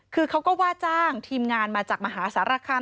คือเขาก็ว่าจ้างทีมงานมาจากมหาสารคาม